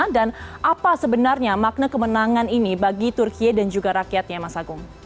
dan apa sebenarnya makna kemenangan ini bagi turki dan juga rakyatnya mas agung